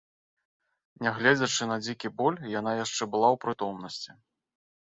Нягледзячы на дзікі боль, яна яшчэ была ў прытомнасці.